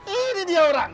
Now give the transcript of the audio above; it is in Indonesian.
ini dia orang